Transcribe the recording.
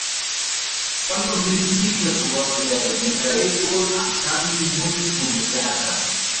One of these teachers was the Venerable Ajahn Mun Bhuridatta.